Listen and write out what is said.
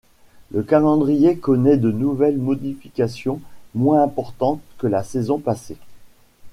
Le calendrier connaît de nouvelles modifications, moins importantes que la saison passées.